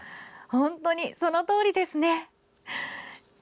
本当にそのとおりですね。